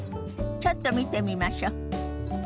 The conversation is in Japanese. ちょっと見てみましょ。